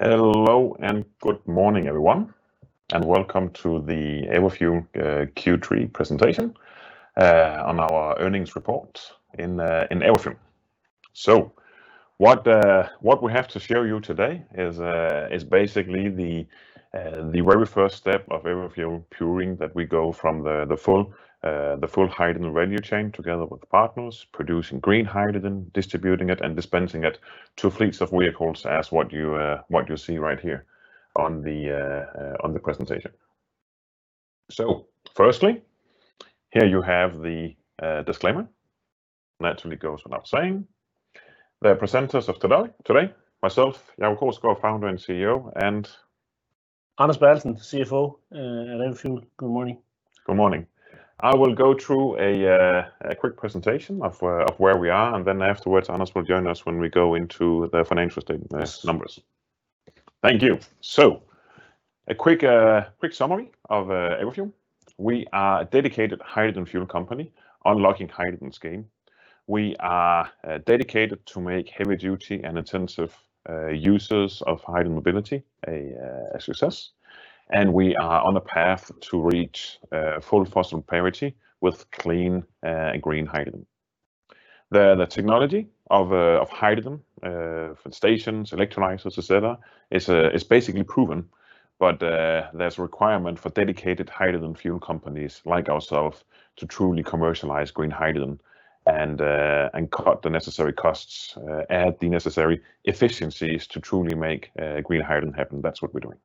Hello and good morning, everyone, and welcome to the Everfuel Q3 presentation on our earnings report in Everfuel. What we have to show you today is basically the very first step of Everfuel fueling that we go from the full hydrogen value chain together with partners producing green hydrogen, distributing it and dispensing it to fleets of vehicles as what you see right here on the presentation. Firstly, here you have the disclaimer, naturally goes without saying. The presenters of today, myself, Jacob Krogsgaard, Founder and CEO, and Anders Bertelsen, CFO, at Everfuel. Good morning. Good morning. I will go through a quick presentation of where we are, and then afterwards, Anders will join us when we go into the financial statements numbers. Thank you. A quick summary of Everfuel. We are a dedicated hydrogen fuel company unlocking the hydrogen economy. We are dedicated to make heavy duty and intensive users of hydrogen mobility a success, and we are on a path to reach full fossil parity with clean green hydrogen. The technology of hydrogen for stations, electrolyzers et cetera is basically proven, but there's a requirement for dedicated hydrogen fuel companies like ourselves to truly commercialize green hydrogen and cut the necessary costs, add the necessary efficiencies to truly make green hydrogen happen. That's what we're doing.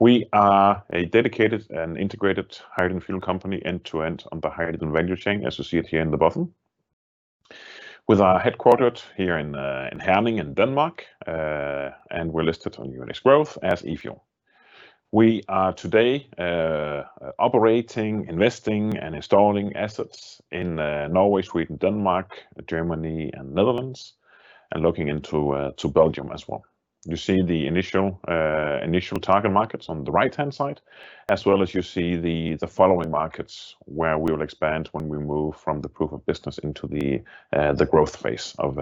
We are a dedicated and integrated hydrogen fuel company, end-to-end on the hydrogen value chain, as you see it here in the bottom, with our headquarters here in in Herning in Denmark. And we're listed on Euronext Growth as EFUEL. We are today operating, investing and installing assets in Norway, Sweden, Denmark, Germany and Netherlands, and looking into to Belgium as well. You see the initial target markets on the right-hand side, as well as you see the following markets where we will expand when we move from the proof of business into the growth phase of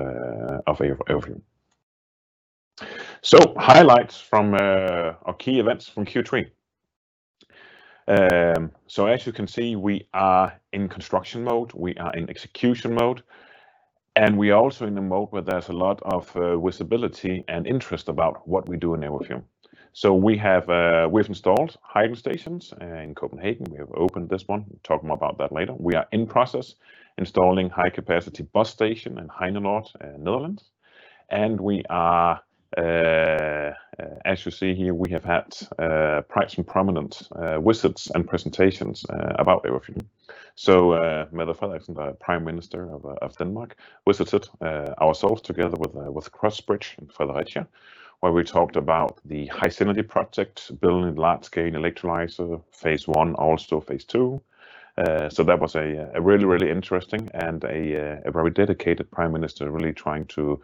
Everfuel. Highlights from our key events from Q3. As you can see, we are in construction mode, we are in execution mode, and we are also in a mode where there's a lot of visibility and interest about what we do in Everfuel. We have installed hydrogen stations in Copenhagen. We have opened this one. We'll talk more about that later. We are in process installing high-capacity bus station in Heinenoord in Netherlands. As you see here, we have had some prominent visits and presentations about Everfuel. Mette Frederiksen, the Prime Minister of Denmark, visited us together with Crossbridge in Fredericia, where we talked about the HySynergy project, building large-scale electrolyzer, phase I, also phase II. That was a really interesting and a very dedicated prime minister really trying to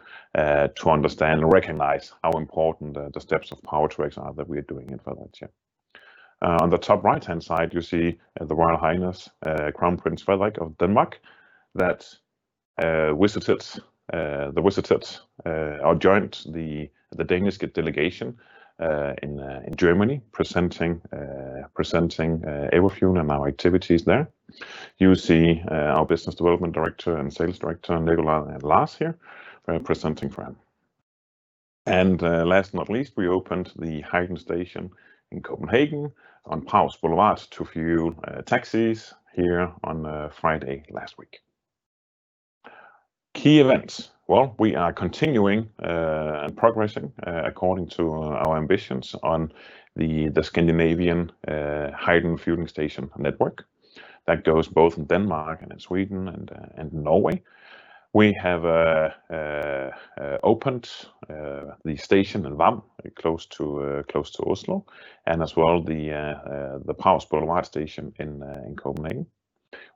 understand and recognize how important the steps of Power-to-X are that we are doing in Fredericia. On the top right-hand side, you see the Royal Highness Crown Prince Frederik of Denmark that visited or joined the Danish delegation in Germany, presenting Everfuel and our activities there. You see our business development director and sales director, Nicolai and Lars here presenting for him. Last but not least, we opened the hydrogen station in Copenhagen on Prags Boulevard to fuel taxis here on Friday last week. Key events. Well, we are continuing and progressing according to our ambitions on the Scandinavian hydrogen fueling station network. That goes both in Denmark and in Sweden and Norway. We have opened the station in Hvam, close to Oslo, and as well the Prags Boulevard station in Copenhagen.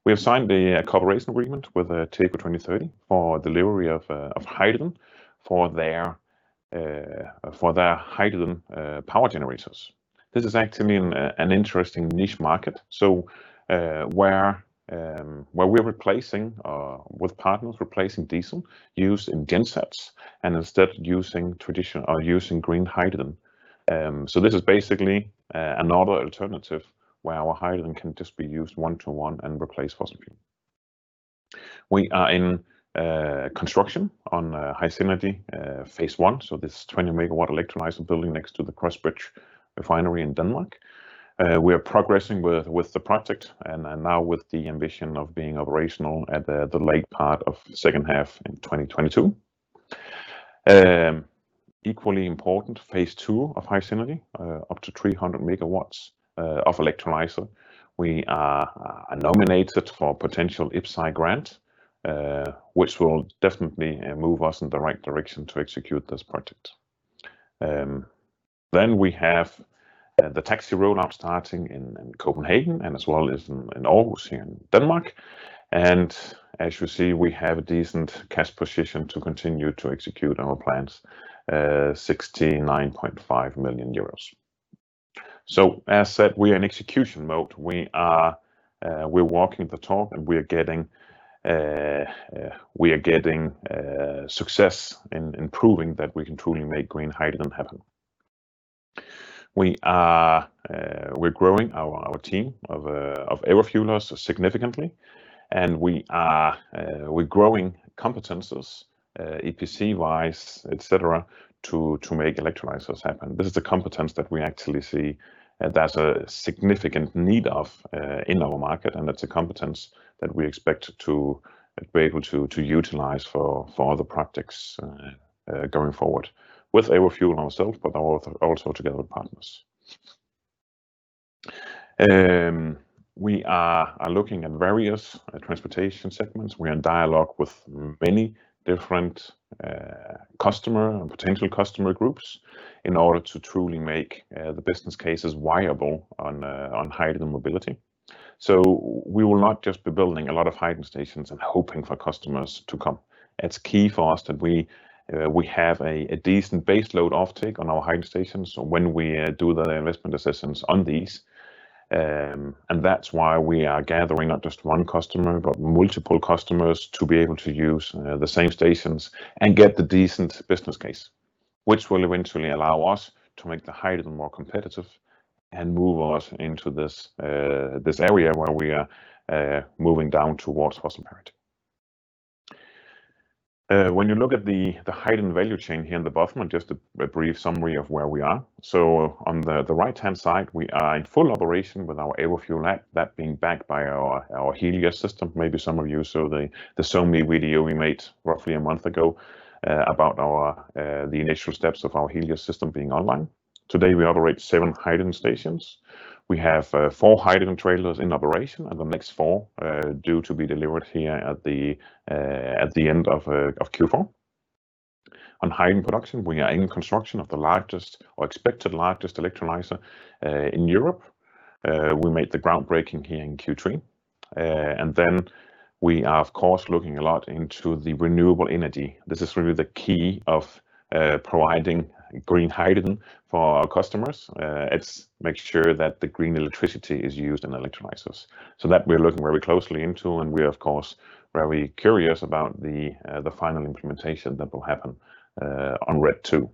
We have signed a cooperation agreement with TECO 2030 for delivery of hydrogen for their hydrogen power generators. This is actually an interesting niche market where we're replacing with partners replacing diesel used in gensets and instead using green hydrogen. This is basically another alternative where our hydrogen can just be used one-to-one and replace fossil fuel. We are in construction on HySynergy phase I, so this is 20 MW electrolyzer building next to the Crossbridge refinery in Denmark. We are progressing with the project and now with the ambition of being operational at the late part of the second half in 2022. Equally important, phase II of HySynergy up to 300 MW of electrolyzer. We are nominated for potential IPCEI grant, which will definitely move us in the right direction to execute this project. We have the taxi rollout starting in Copenhagen and as well as in Aarhus here in Denmark. As you see, we have a decent cash position to continue to execute our plans, 69.5 million euros. As said, we are in execution mode. We're walking the talk, and we are getting success in proving that we can truly make green hydrogen happen. We're growing our team of Everfuelers significantly, and we're growing competences EPC Wise, et cetera, to make electrolyzers happen. This is the competence that we actually see there's a significant need of in our market, and that's a competence that we expect to be able to utilize for other projects going forward with Everfuel ourselves, but also together with partners. We are looking at various transportation segments. We are in dialogue with many different customer and potential customer groups in order to truly make the business cases viable on hydrogen mobility. We will not just be building a lot of hydrogen stations and hoping for customers to come. It's key for us that we have a decent baseload offtake on our hydrogen stations when we do the investment assessments on these. That's why we are gathering not just one customer, but multiple customers to be able to use the same stations and get the decent business case, which will eventually allow us to make the hydrogen more competitive and move us into this area where we are moving down towards fossil parity. When you look at the hydrogen value chain here in the bottom, just a brief summary of where we are. On the right-hand side, we are in full operation with our Everfuel App, that being backed by our Helios system. Maybe some of you saw the SoMe video we made roughly a month ago about the initial steps of our Helios system being online. Today, we operate seven hydrogen stations. We have four hydrogen trailers in operation, and the next four are due to be delivered here at the end of Q4. On hydrogen production, we are in construction of the largest or expected largest electrolyzer in Europe. We made the groundbreaking here in Q3. Then we are, of course, looking a lot into the renewable energy. This is really the key of providing green hydrogen for our customers. It makes sure that the green electricity is used in electrolyzers. That we're looking very closely into, and we are, of course, very curious about the final implementation that will happen on RED II,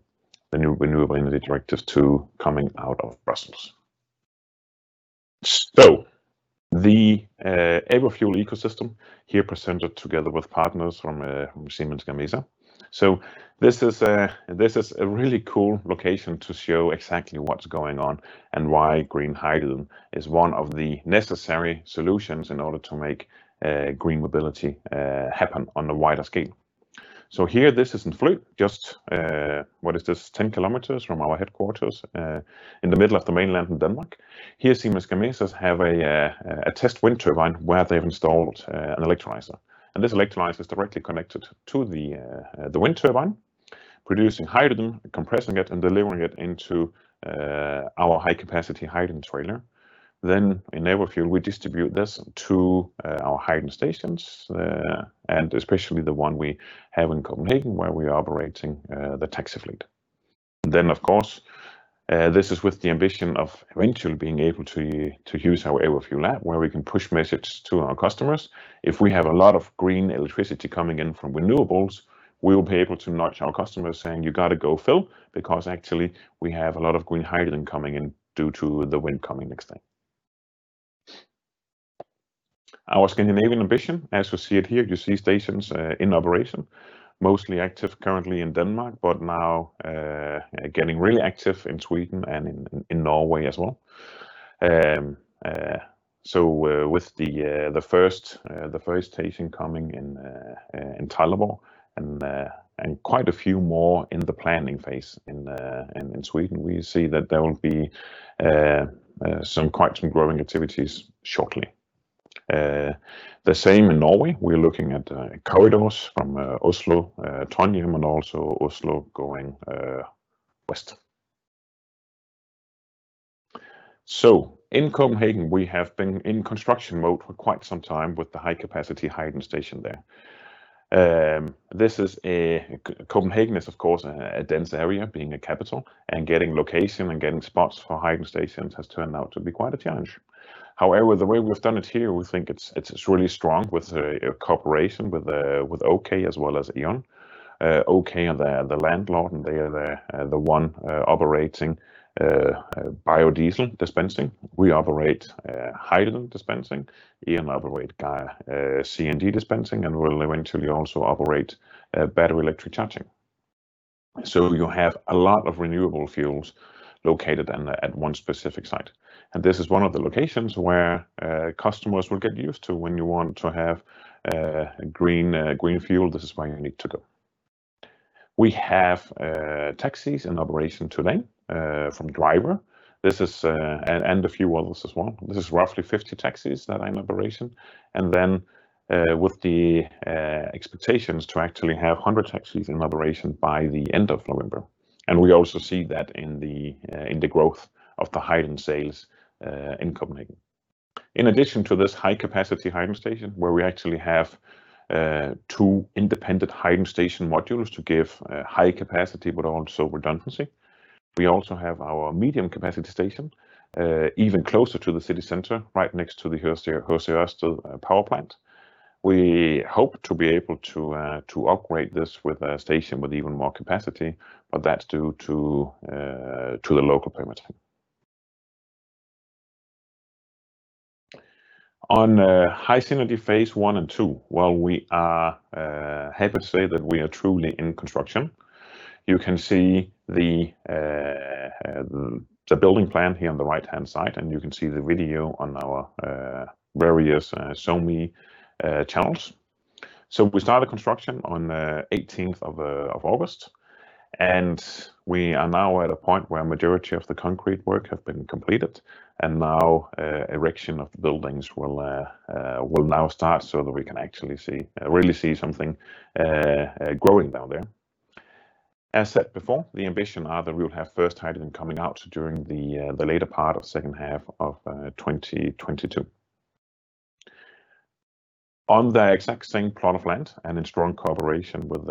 the new Renewable Energy Directive II coming out of Brussels. The Everfuel ecosystem here presented together with partners from Siemens Gamesa. This is a really cool location to show exactly what's going on and why green hydrogen is one of the necessary solutions in order to make green mobility happen on a wider scale. Here, this is in Fly, just what is this? 10 km from our headquarters in the middle of the mainland in Denmark. Here, Siemens Gamesa has a test wind turbine where they've installed an electrolyzer, and this electrolyzer is directly connected to the wind turbine, producing hydrogen, compressing it, and delivering it into our high-capacity hydrogen trailer. In Everfuel, we distribute this to our hydrogen stations, and especially the one we have in Copenhagen, where we are operating the taxi fleet. Of course, this is with the ambition of eventually being able to use our Everfuel App, where we can push messages to our customers. If we have a lot of green electricity coming in from renewables, we will be able to nudge our customers, saying, "You gotta go fill," because actually we have a lot of green hydrogen coming in due to the wind coming next thing. Our Scandinavian ambition, as you see it here, you see stations in operation, mostly active currently in Denmark, but now getting really active in Sweden and in Norway as well. With the first station coming in Trelleborg, and quite a few more in the planning phase in Sweden, we see that there will be some growing activities shortly. The same in Norway. We're looking at corridors from Oslo, Trondheim, and also Oslo going west. In Copenhagen, we have been in construction mode for quite some time with the high-capacity hydrogen station there. This is a... Copenhagen is, of course, a dense area, being a capital, and getting locations and getting spots for hydrogen stations has turned out to be quite a challenge. However, the way we've done it here, we think it's really strong with a cooperation with OK as well as E.ON. OK are the landlord, and they are the one operating biodiesel dispensing. We operate hydrogen dispensing. E.ON operate CNG dispensing, and we'll eventually also operate battery electric charging. You have a lot of renewable fuels located at one specific site, and this is one of the locations where customers will get used to when you want to have green fuel, this is where you need to go. We have taxis in operation today from DRIVR. This is DRIVR and a few others as well. This is roughly 50 taxis that are in operation, and then with the expectations to actually have 100 taxis in operation by the end of November. We also see that in the growth of the hydrogen sales in Copenhagen. In addition to this high capacity hydrogen station, where we actually have two independent hydrogen station modules to give high capacity but also redundancy. We also have our medium capacity station even closer to the city center right next to the Høje Taastrup power plant. We hope to be able to operate this with a station with even more capacity, but that's due to the local permitting. On HySynergy phase I and II, well, we are happy to say that we are truly in construction. You can see the building plan here on the right-hand side, and you can see the video on our various SoMe channels. We started construction on the eighteenth of August, and we are now at a point where majority of the concrete work have been completed. Now erection of the buildings will now start so that we can actually really see something growing down there. As said before, the ambition are that we will have first hydrogen coming out during the later part of second half of 2022. On the exact same plot of land and in strong cooperation with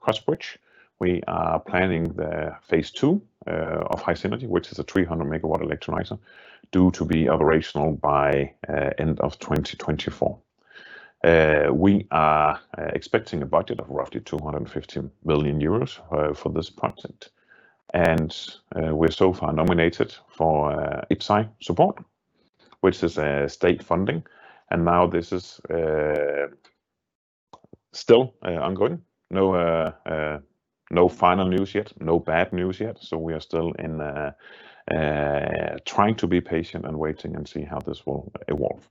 Crossbridge, we are planning the phase II of HySynergy, which is a 300 MW electrolyzer due to be operational by end of 2024. We are expecting a budget of roughly 250 million euros for this project. We're so far nominated for IPCEI support, which is a state funding, and now this is still ongoing. No final news yet. No bad news yet. We are still trying to be patient and waiting to see how this will evolve.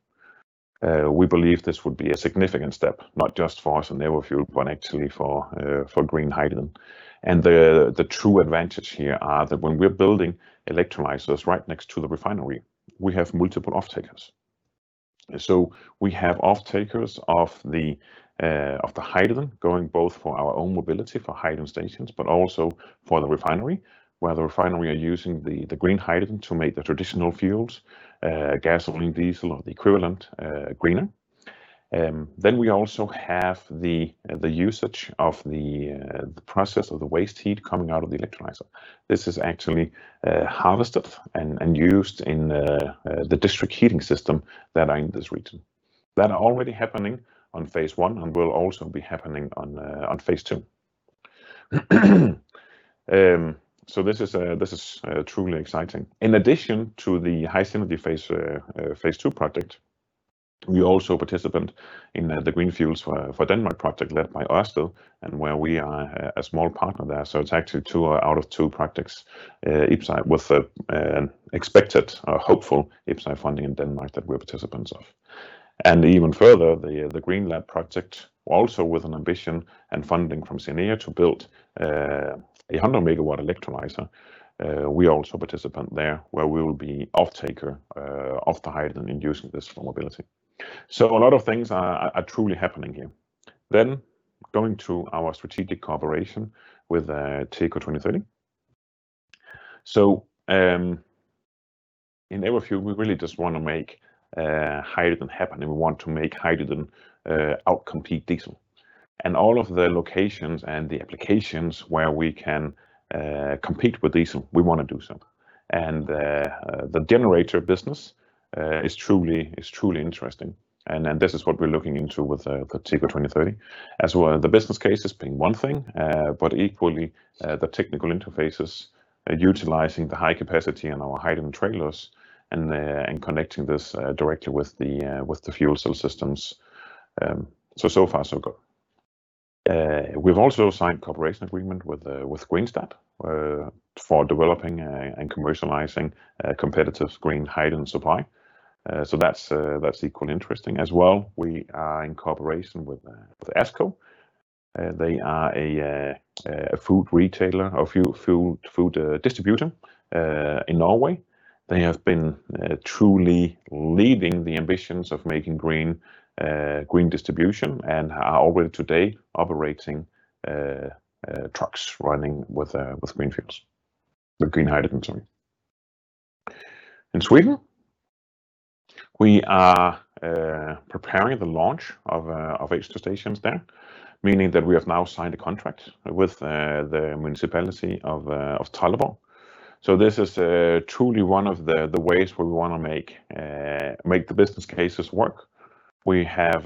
We believe this would be a significant step, not just for us in Everfuel, but actually for green hydrogen. The true advantage here is that when we're building electrolyzers right next to the refinery, we have multiple off-takers. We have off-takers of the hydrogen going both for our own mobility for hydrogen stations, but also for the refinery, where the refinery are using the green hydrogen to make the traditional fuels, gasoline, diesel or the equivalent, greener. We also have the usage of the process of the waste heat coming out of the electrolyzer. This is actually harvested and used in the district heating system that are in this region. That are already happening on phase I and will also be happening on phase II. This is truly exciting. In addition to the HySynergy phase II project, we also participate in the Green Fuels for Denmark project led by Ørsted, and where we are a small partner there. It's actually two out of two projects, IPCEI with expected or hopeful IPCEI funding in Denmark that we're participants of. Even further, the GreenLabProject, also with an ambition and funding from CINEA to build a 100 MW electrolyzer, we also participant there, where we will be off-taker of the hydrogen and using this for mobility. A lot of things are truly happening here. Going to our strategic cooperation with TECO 2030. In Everfuel, we really just wanna make hydrogen happen, and we want to make hydrogen out-compete diesel. All of the locations and the applications where we can compete with diesel, we wanna do so. The generator business is truly interesting and this is what we're looking into with TECO 2030. As well, the business case is being one thing, but equally, the technical interfaces utilizing the high capacity and our hydrogen trailers and connecting this directly with the fuel cell systems. So far so good. We've also signed cooperation agreement with Greenstat for developing and commercializing a competitive green hydrogen supply. So that's equally interesting as well. We are in cooperation with ASKO. They are a food retailer or food distributor in Norway. They have been truly leading the ambitions of making green distribution and are already today operating trucks running with green fuels. With green hydrogen, sorry. In Sweden, we are preparing the launch of H2 stations there, meaning that we have now signed a contract with the municipality of Trelleborg. This is truly one of the ways where we wanna make the business cases work. We have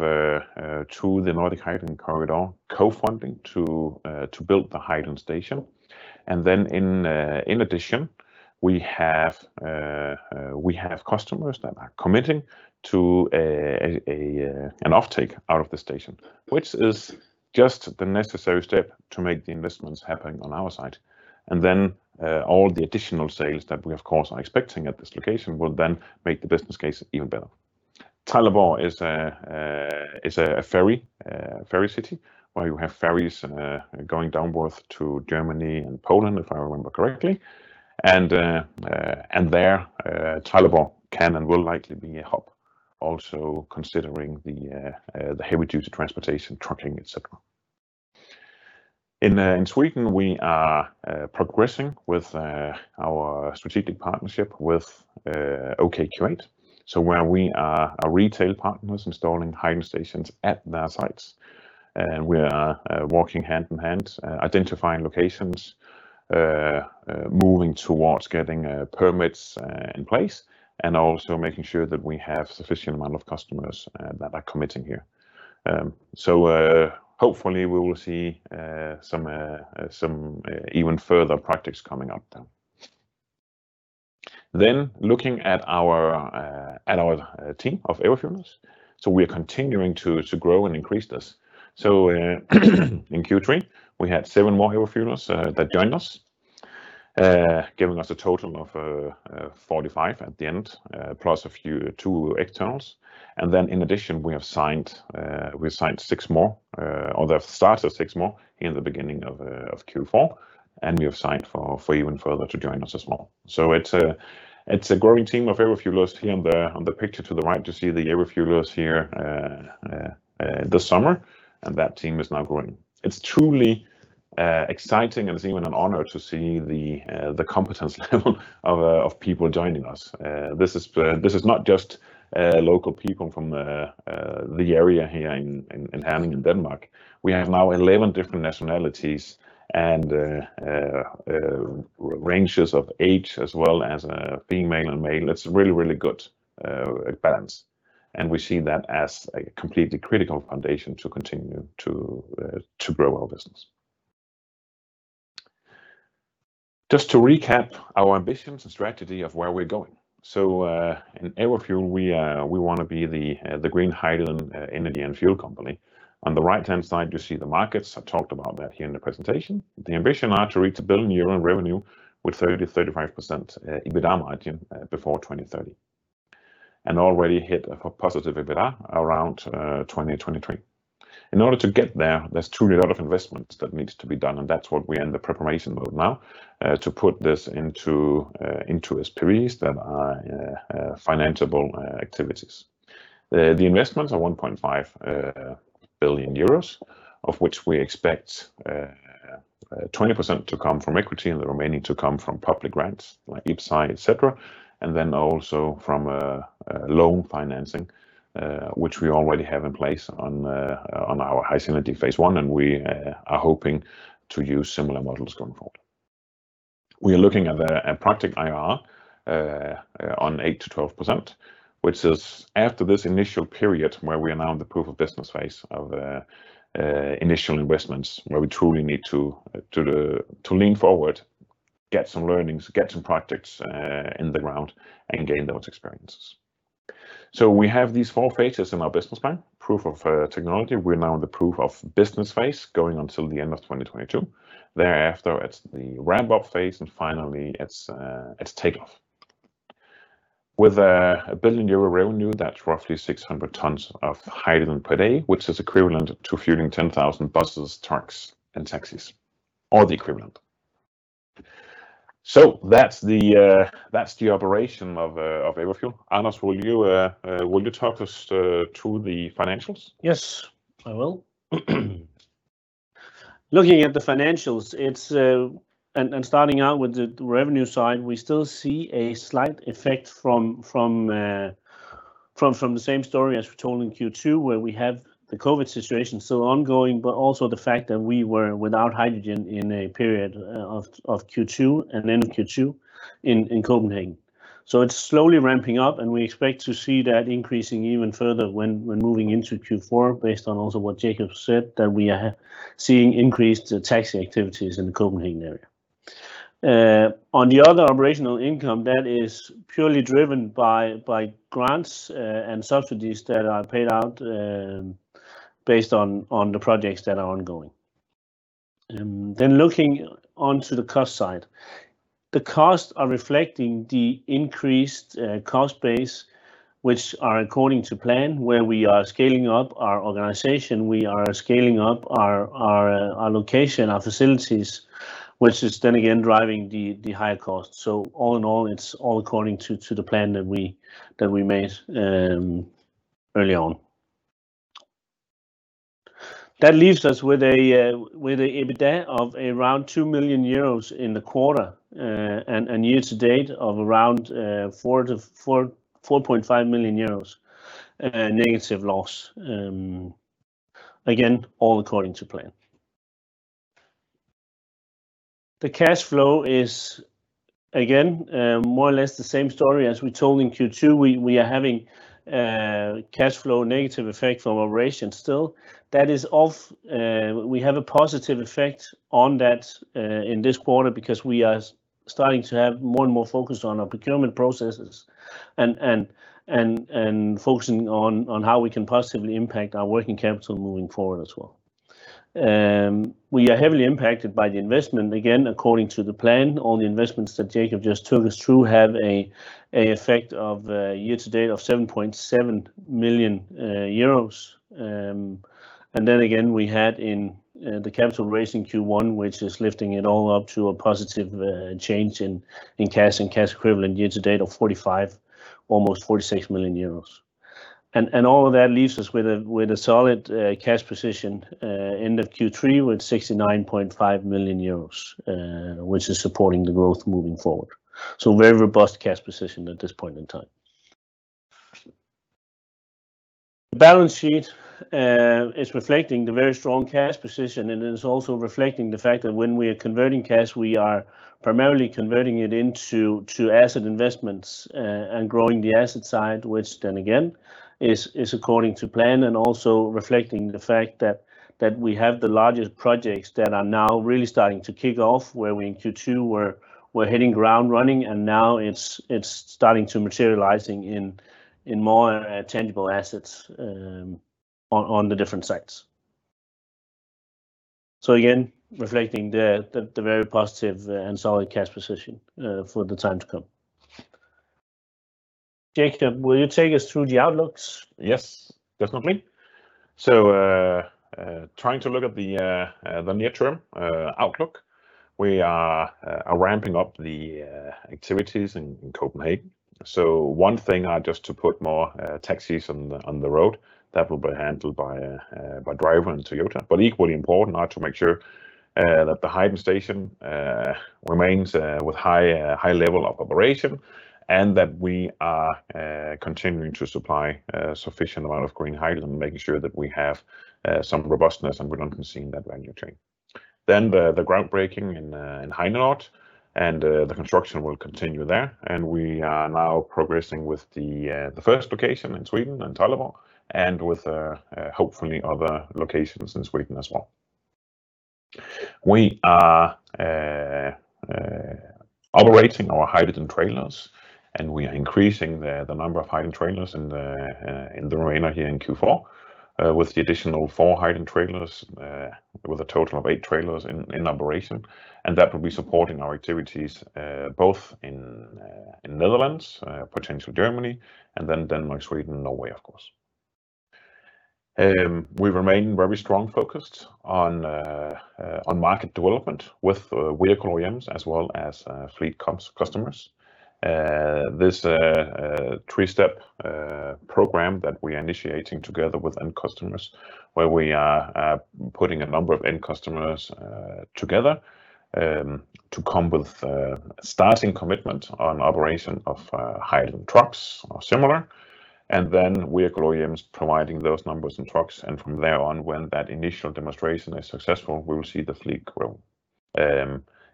through the Nordic Hydrogen Corridor co-funding to build the hydrogen station. In addition, we have customers that are committing to an off-take out of the station, which is just the necessary step to make the investments happen on our side. All the additional sales that we of course are expecting at this location will then make the business case even better. Trelleborg is a ferry city where you have ferries going downward to Germany and Poland, if I remember correctly. Trelleborg can and will likely be a hub also considering the heavy duty transportation, trucking, et cetera. In Sweden, we are progressing with our strategic partnership with OKQ8. Where we are, our retail partners installing hydrogen stations at their sites, and we are walking hand in hand, identifying locations, moving towards getting permits in place, and also making sure that we have sufficient amount of customers that are committing here. Hopefully we will see some even further projects coming up then. Looking at our team of Everfuelers. We are continuing to grow and increase this. In Q3, we had seven more Everfuelers that joined us, giving us a total of 45 at the end, plus a few two externals. In addition, we signed six more, or the start of six more in the beginning of Q4, and we have signed for even further to join us as well. It's a growing team of Everfuelers. Here on the picture to the right, you see the Everfuelers here this summer, and that team is now growing. It's truly exciting and it's even an honor to see the competence level of people joining us. This is not just local people from the area here in Herning in Denmark. We have now 11 different nationalities and ranges of age as well as female and male. It's a really, really good balance, and we see that as a completely critical foundation to continue to grow our business. Just to recap our ambitions and strategy of where we're going. In Everfuel, we wanna be the green hydrogen energy and fuel company. On the right-hand side, you see the markets. I talked about that here in the presentation. The ambition are to reach 1 billion euro in revenue with 30%, 35% EBITDA margin before 2030, and already hit a positive EBITDA around 2023. In order to get there's truly a lot of investments that needs to be done, and that's what we're in the preparation mode now to put this into SPVs that are financeable activities. The investments are 1.5 billion euros, of which we expect 20% to come from equity and the remaining to come from public grants like IPCEI, et cetera, and then also from loan financing, which we already have in place on our HySynergy phase I, and we are hoping to use similar models going forward. We are looking at a project IRR on 8%-12%, which is after this initial period where we are now in the proof of business phase of initial investments, where we truly need to lean forward, get some learnings, get some projects in the ground, and gain those experiences. We have these four phases in our business plan. Proof of technology. We are now in the proof of business phase, going until the end of 2022. Thereafter, it is the ramp-up phase, and finally it is take-off. With 1 billion euro revenue, that is roughly 600 tons of hydrogen per day, which is equivalent to fueling 10,000 buses, trucks, and taxis, or the equivalent. That is the operation of Everfuel. Anders, will you talk us through the financials? Yes, I will. Looking at the financials, it's starting out with the revenue side, we still see a slight effect from the same story as we told in Q2, where we have the COVID situation still ongoing, but also the fact that we were without hydrogen in a period of Q2 and then in Copenhagen. It's slowly ramping up, and we expect to see that increasing even further when moving into Q4, based on also what Jacob said, that we are seeing increased taxi activities in the Copenhagen area. On the other operational income, that is purely driven by grants and subsidies that are paid out based on the projects that are ongoing. Looking at the cost side. The costs are reflecting the increased cost base, which are according to plan, where we are scaling up our organization. We are scaling up our location, our facilities, which is then again driving the higher costs. All in all, it's all according to the plan that we made early on. That leaves us with a EBITDA of around 2 million euros in the quarter, and year to date of around 4 million-4.5 million euros, negative loss, again, all according to plan. The cash flow is, again, more or less the same story as we told in Q2. We are having cash flow negative effect from operations still. That is of... We have a positive effect on that in this quarter because we are starting to have more and more focus on our procurement processes and focusing on how we can positively impact our working capital moving forward as well. We are heavily impacted by the investment, again, according to the plan. All the investments that Jacob just took us through have an effect year to date of 7.7 million euros. Then again, we had in the capital raise in Q1, which is lifting it all up to a positive change in cash and cash equivalent year to date of 45 million, almost 46 million euros. All of that leaves us with a solid cash position end of Q3 with 69.5 million euros, which is supporting the growth moving forward. Very robust cash position at this point in time. Balance sheet is reflecting the very strong cash position, and it is also reflecting the fact that when we are converting cash, we are primarily converting it into asset investments and growing the asset side, which then again is according to plan and also reflecting the fact that we have the largest projects that are now really starting to kick off, where we in Q2 were hitting ground running, and now it's starting to materializing in more tangible assets on the different sites. Again, reflecting the very positive and solid cash position for the time to come. Jacob, will you take us through the outlooks? Yes, definitely. Trying to look at the near-term outlook. We are ramping up the activities in Copenhagen. One thing are just to put more taxis on the road. That will be handled by DRIVR and Toyota. Equally important are to make sure that the hydrogen station remains with high level of operation, and that we are continuing to supply a sufficient amount of green hydrogen, making sure that we have some robustness and redundancy in that value chain. The groundbreaking in Heinenoord and the construction will continue there, and we are now progressing with the first location in Sweden, in Trelleborg, and with hopefully other locations in Sweden as well. We are operating our hydrogen trailers, and we are increasing the number of hydrogen trailers in the area here in Q4 with the additional four hydrogen trailers with a total of eight trailers in operation, and that will be supporting our activities both in Netherlands, potentially Germany, and then Denmark, Sweden and Norway, of course. We remain very strong focused on market development with vehicle OEMs as well as fleet customers. This three-step program that we're initiating together with end customers, where we are putting a number of end customers together to come with starting commitment on operation of hydrogen trucks or similar, and then vehicle OEMs providing those numbers and trucks, and from there on, when that initial demonstration is successful, we will see the fleet grow.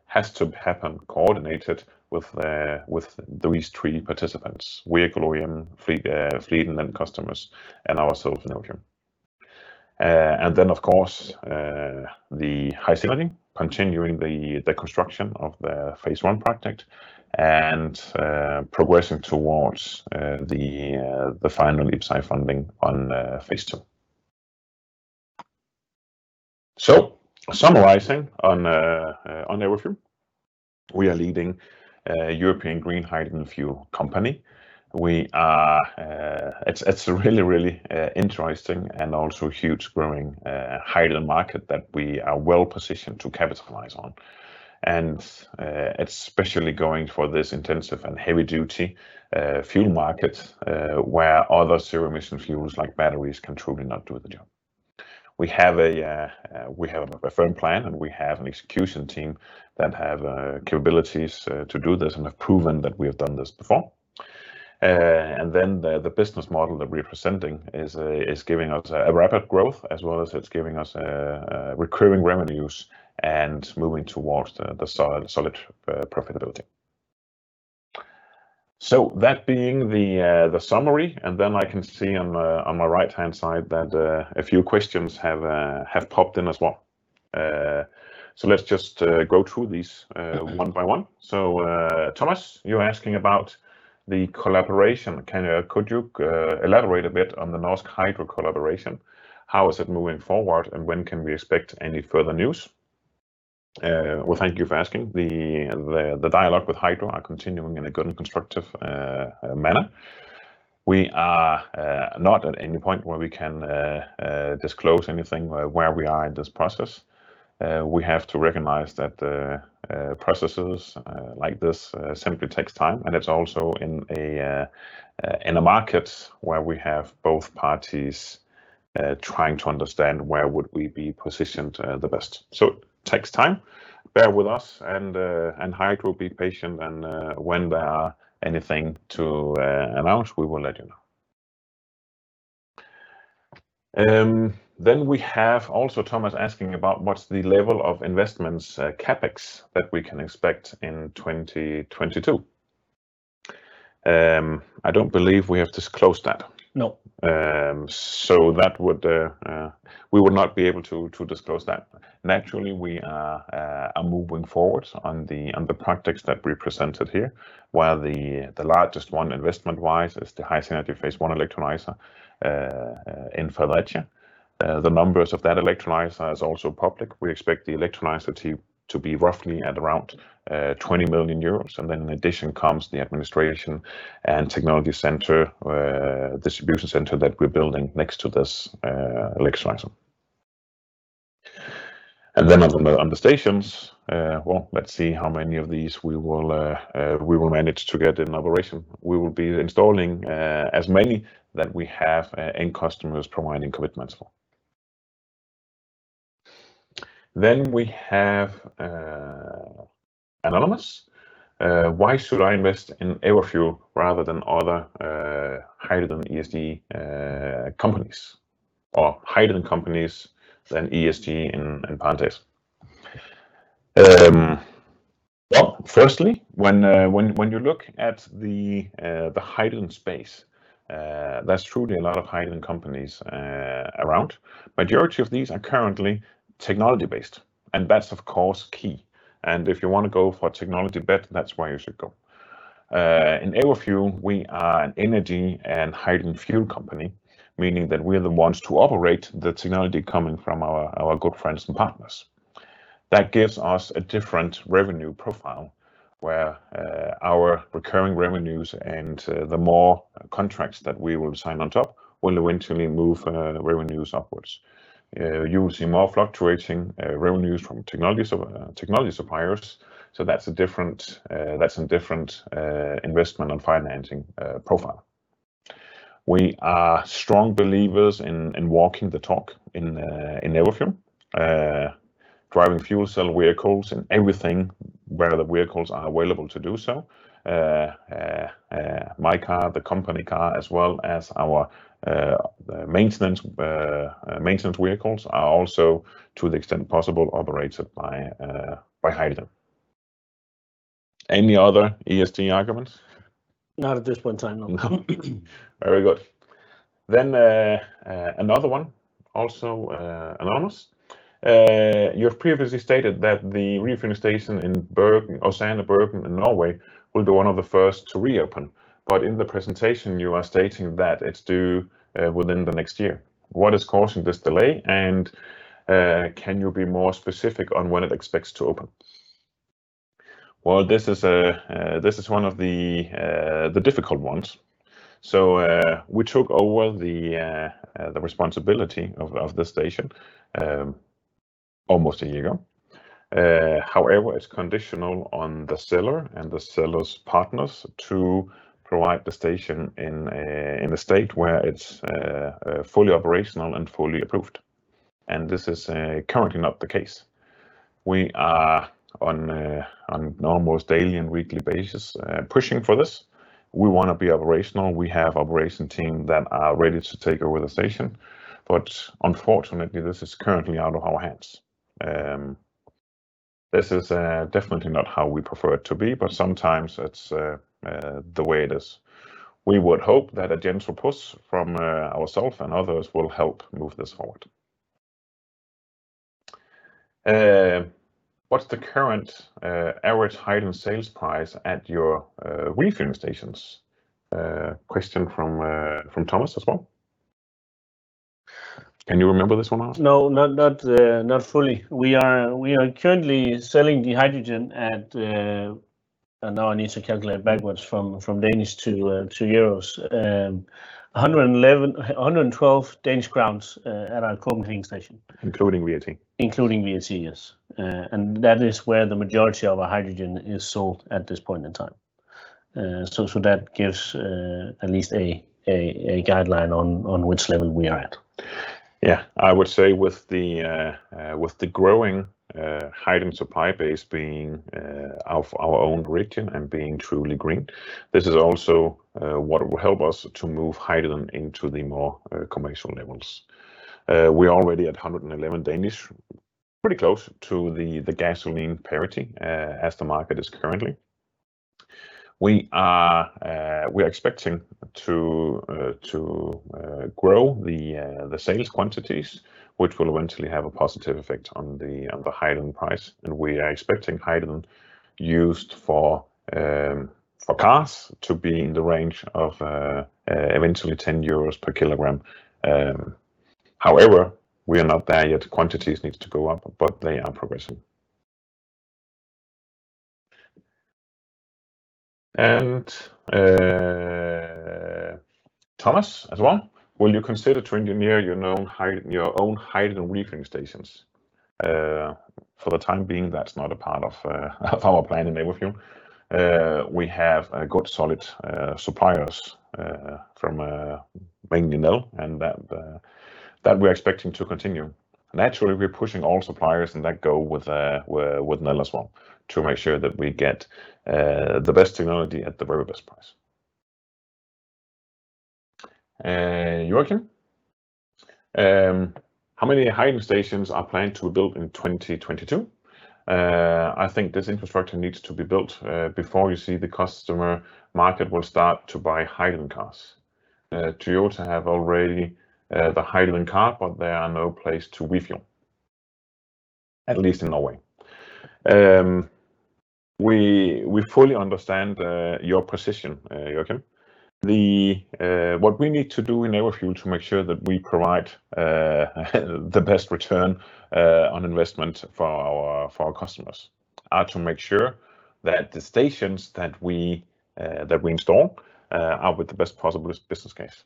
Has to happen coordinated with these three participants, vehicle OEM, fleet, and then customers and ourselves in Everfuel. Then of course, the HySynergy continuing the construction of the phase I project and progressing towards the final IPCEI funding on phase II. Summarizing on Everfuel. We are leading European green hydrogen fuel company. We are... It's a really interesting and also huge growing hydrogen market that we are well-positioned to capitalize on. Especially going for this intensive and heavy-duty fuel market where other zero-emission fuels like batteries can truly not do the job. We have a firm plan, and we have an execution team that have capabilities to do this and have proven that we have done this before. The business model that we're presenting is giving us a rapid growth as well as it's giving us recurring revenues and moving towards the solid profitability. That being the summary, and then I can see on my right-hand side that a few questions have popped in as well. Let's just go through these one by one. Thomas, you're asking about the collaboration. Could you elaborate a bit on the Norsk Hydro collaboration? How is it moving forward, and when can we expect any further news? Well, thank you for asking. The dialogue with Hydro are continuing in a good and constructive manner. We are not at any point where we can disclose anything where we are in this process. We have to recognize that processes like this simply takes time, and it's also in a market where we have both parties trying to understand where would we be positioned the best. It takes time. Bear with us, and Hydro will be patient, and when there are anything to announce, we will let you know. We have also Thomas asking about what's the level of investments, CapEx that we can expect in 2022. I don't believe we have disclosed that. No. We would not be able to disclose that. Naturally, we are moving forward on the projects that we presented here. While the largest one, investment-wise, is the HySynergy phase I electrolyzer in Fredericia. The numbers of that electrolyzer is also public. We expect the electrolyzer to be roughly at around 20 million euros, and then in addition comes the administration and technology center, distribution center that we're building next to this electrolyzer. On the stations, well, let's see how many of these we will manage to get in operation. We will be installing as many that we have end customers providing commitments for. We have anonymous. Why should I invest in Everfuel rather than other hydrogen ESG companies or hydrogen companies other than ESG and partners? Well, firstly, when you look at the hydrogen space, there's truly a lot of hydrogen companies around. Majority of these are currently technology-based, and that's of course key, and if you wanna go for a technology bet, that's where you should go. In Everfuel, we are an energy and hydrogen fuel company, meaning that we're the ones to operate the technology coming from our good friends and partners. That gives us a different revenue profile where our recurring revenues and the more contracts that we will sign on top will eventually move the revenues upwards. You will see more fluctuating revenues from technology suppliers, so that's a different investment and financing profile. We are strong believers in walking the talk in Everfuel, driving fuel cell vehicles and everything where the vehicles are available to do so. My car, the company car as well as our maintenance vehicles are also, to the extent possible, operated by hydrogen. Any other ESG arguments? Not at this point in time, no. No. Very good. Another one, also, anonymous. You have previously stated that the refueling station in Bergen, or Åsane, Bergen, in Norway will be one of the first to reopen, but in the presentation you are stating that it's due within the next year. What is causing this delay, and can you be more specific on when it expects to open? Well, this is one of the difficult ones. We took over the responsibility of the station almost a year ago. However, it's conditional on the seller and the seller's partners to provide the station in a state where it's fully operational and fully approved, and this is currently not the case. We are on an almost daily and weekly basis pushing for this. We wanna be operational. We have operation team that are ready to take over the station. Unfortunately, this is currently out of our hands. This is definitely not how we prefer it to be, but sometimes it's the way it is. We would hope that a gentle push from ourself and others will help move this forward. What's the current average hydrogen sales price at your refueling stations? Question from Thomas as well. Can you remember this one, Anders? No. Not fully. We are currently selling the hydrogen at. Now I need to calculate backwards from Danish to euros. 111-112 Danish crowns at our Kolding station. Including VAT. Including VAT, yes. That is where the majority of our hydrogen is sold at this point in time. That gives at least a guideline on which level we are at. Yeah. I would say with the growing hydrogen supply base being of our own region and being truly green, this is also what will help us to move hydrogen into the more commercial levels. We're already at 111, pretty close to the gasoline parity as the market is currently. We are expecting to grow the sales quantities, which will eventually have a positive effect on the hydrogen price, and we are expecting hydrogen used for cars to be in the range of eventually 10 euros per kg. However, we are not there yet. Quantities needs to go up, but they are progressing. Thomas as well, will you consider to engineer your own hydrogen refueling stations? For the time being, that's not a part of our plan in Everfuel. We have good, solid suppliers from mainly Nel, and that we're expecting to continue. Naturally, we're pushing all suppliers, and that goes with Nel as well to make sure that we get the best technology at the very best price. Joakim, how many hydrogen stations are planned to be built in 2022? I think this infrastructure needs to be built before you see the customer market will start to buy hydrogen cars. Toyota has already the hydrogen car, but there are no places to refuel. At least in Norway. We fully understand your position, Joakim. What we need to do in Everfuel to make sure that we provide the best return on investment for our customers are to make sure that the stations that we install are with the best possible business case.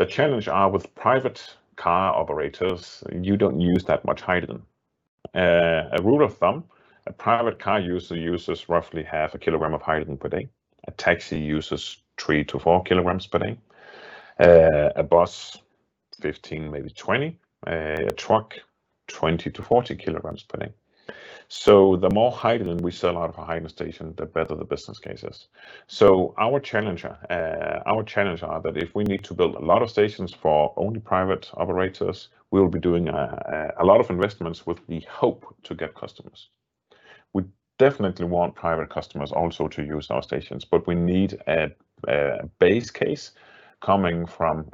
The challenge are with private car operators, you don't use that much hydrogen. A rule of thumb, a private car user uses roughly half a kilogram of hydrogen per day. A taxi uses 3 kg-4 kg per day. A bus, 15, maybe 20. A truck, 20 kg-40 kg per day. The more hydrogen we sell out of a hydrogen station, the better the business case is. Our challenge are that if we need to build a lot of stations for only private operators, we'll be doing a lot of investments with the hope to get customers. We definitely want private customers also to use our stations, but we need a base case coming from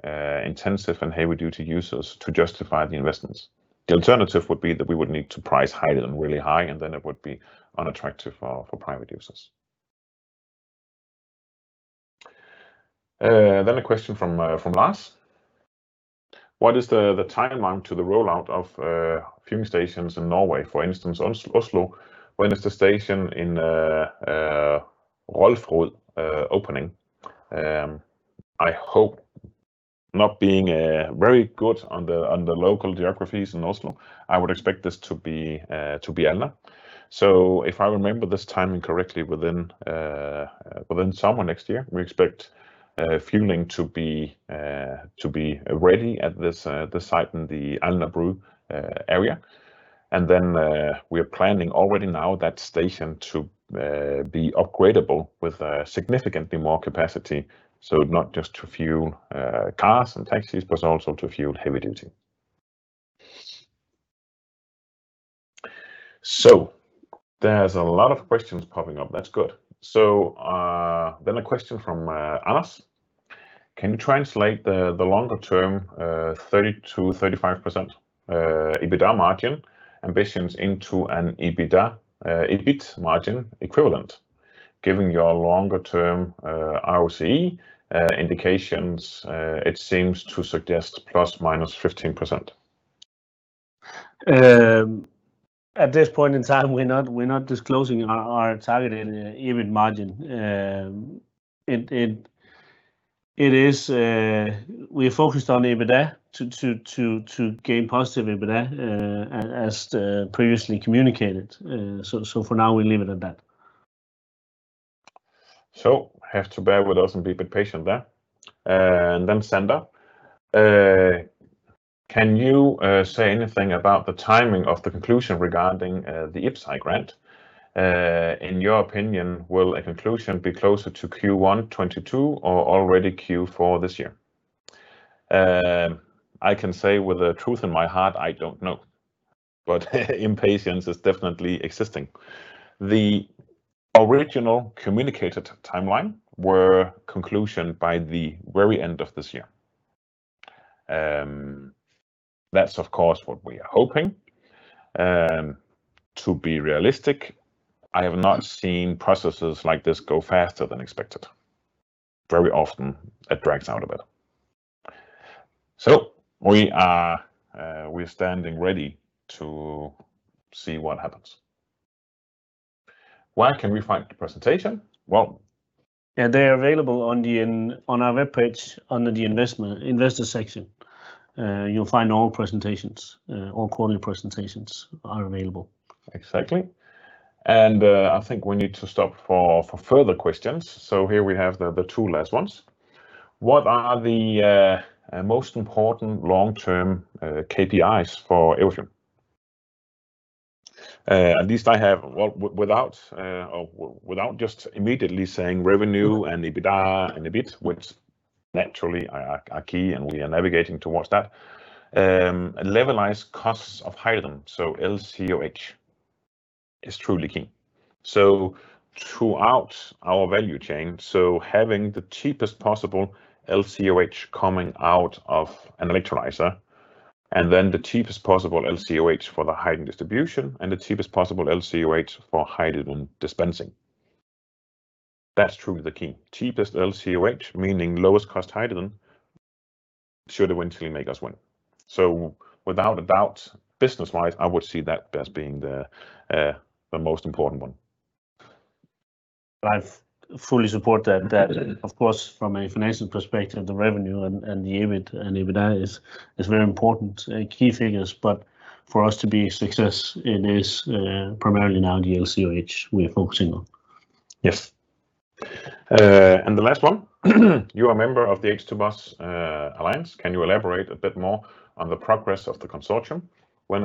intensive and heavy duty users to justify the investments. The alternative would be that we would need to price hydrogen really high, and then it would be unattractive for private users. A question from Lars. "What is the timeline to the rollout of fueling stations in Norway, for instance, Oslo? When is the station in Romford opening?" I hope not being very good on the local geographies in Oslo, I would expect this to be Alna. If I remember this timing correctly, within summer next year, we expect fueling to be ready at the site in the Alnabru area. Then we are planning already now that station to be upgradable with significantly more capacity, so not just to fuel cars and taxis, but also to fuel heavy duty. There's a lot of questions popping up. That's good. Then a question from Alax. "Can you translate the longer term 30%-35% EBITDA margin ambitions into an EBITDA EBIT margin equivalent? Given your longer-term ROCE indications, it seems to suggest ±15%. At this point in time, we're not disclosing our targeted EBIT margin. We are focused on EBITDA to gain positive EBITDA, as previously communicated. For now we leave it at that. Have to bear with us and be patient there. Then Sander, "Can you say anything about the timing of the conclusion regarding the IPCEI grant? In your opinion, will a conclusion be closer to Q1 2022 or already Q4 this year?" I can say with the truth in my heart, I don't know. Impatience is definitely existing. The original communicated timeline were conclusion by the very end of this year. That's of course what we are hoping. To be realistic, I have not seen processes like this go faster than expected. Very often it drags out a bit. We are standing ready to see what happens. "Where can we find the presentation?" Well. Yeah, they are available on our webpage. Under the investor section, you'll find all presentations. All quarter presentations are available. Exactly. I think we need to stop for further questions. Here we have the two last ones. "What are the most important long-term KPIs for Everfuel?" At least I have without or without just immediately saying revenue and EBITDA and EBIT, which naturally are key, and we are navigating towards that. Levelized costs of hydrogen, so LCOH, is truly key. Throughout our value chain, so having the cheapest possible LCOH coming out of an electrolyzer, and then the cheapest possible LCOH for the hydrogen distribution, and the cheapest possible LCOH for hydrogen dispensing. That's truly the key. Cheapest LCOH, meaning lowest cost hydrogen, should eventually make us win. Without a doubt, business-wise, I would see that as being the most important one. I fully support that. That of course from a financial perspective, the revenue and the EBIT and EBITDA is very important key figures. For us to be a success, it is primarily now the LCOH we are focusing on. Yes. The last one, "You are a member of the H2Bus Alliance. Can you elaborate a bit more on the progress of the consortium? When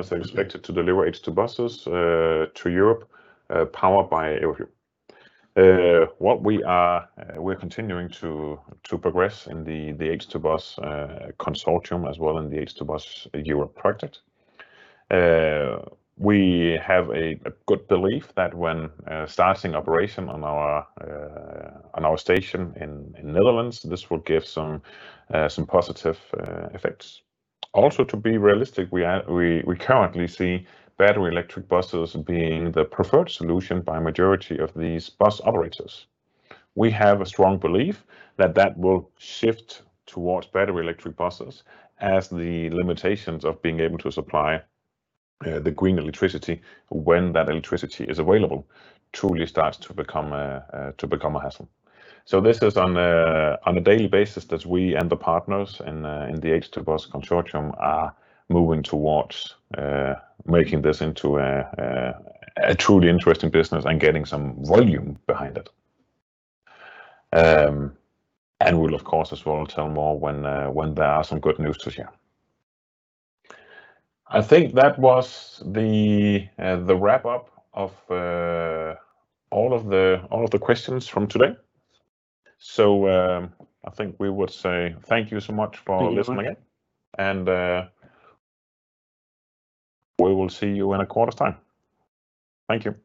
is it expected to deliver H2 buses to Europe powered by Everfuel?" We're continuing to progress in the H2Bus consortium as well in the H2Bus Europe project. We have a good belief that when starting operation on our station in Netherlands, this will give some positive effects. Also, to be realistic, we currently see battery electric buses being the preferred solution by a majority of these bus operators. We have a strong belief that that will shift towards battery electric buses as the limitations of being able to supply the green electricity when that electricity is available truly starts to become a hassle. This is on a daily basis that we and the partners in the H2Bus Consortium are moving towards making this into a truly interesting business and getting some volume behind it. We'll of course as well tell more when there are some good news to share. I think that was the wrap-up of all of the questions from today. I think we would say thank you so much for listening. Thank you. We will see you in a quarter's time. Thank you.